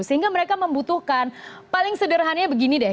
sehingga mereka membutuhkan paling sederhananya begini deh